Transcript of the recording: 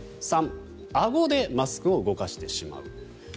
３あごでマスクを動かしてしまう。